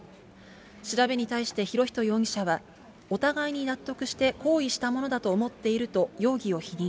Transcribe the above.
調べに対して博仁容疑者は、お互いに納得して行為したものだと思っていると容疑を否認。